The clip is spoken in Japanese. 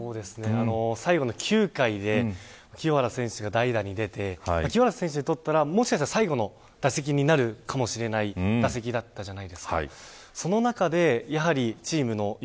最後の９回で清原選手が代打に出て清原選手にとってはもしかしたら最後の打席になるかもしれなかったじゃないですか。